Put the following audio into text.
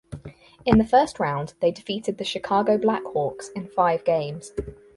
In the First Round they defeated the Chicago Blackhawks in five games.